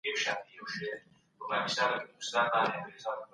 دا صحيح نظر نه دی.